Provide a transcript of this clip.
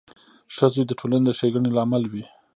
• ښه زوی د ټولنې د ښېګڼې لامل وي.